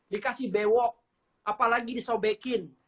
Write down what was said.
dikasih bewok apalagi disobekin